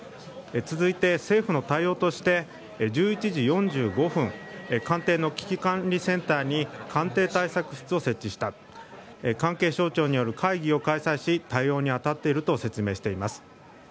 続いて、政府の対応として１１時４５分、官邸の危機管理センターに官邸対策室を設置した関係省庁による会議を開催し対応に当たっていると説明しています。